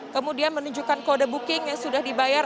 kemudian menunjukkan kode booking yang sudah dibayar